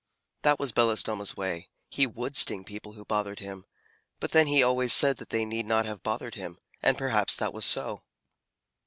That was Belostoma's way. He would sting people who bothered him, but then he always said that they need not have bothered him. And perhaps that was so.